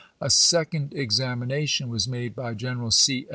A second examination was made by Greneral C.